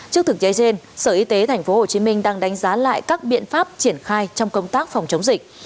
trước thực tế trên sở y tế tp hcm đang đánh giá lại các biện pháp triển khai trong công tác phòng chống dịch